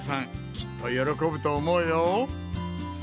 きっと喜ぶと思うよ。